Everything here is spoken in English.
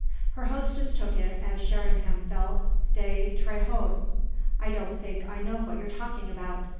Her hostess took it, as Sherringham felt, de très haut. "I don't think I know what you're talking about.